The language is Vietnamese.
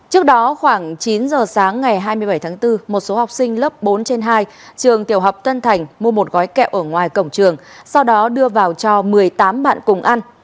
trước đó khoảng chín giờ sáng ngày hai mươi bảy tháng bốn một số học sinh lớp bốn trên hai trường tiểu học tân thành mua một gói kẹo ở ngoài cổng trường sau đó đưa vào cho một mươi tám bạn cùng ăn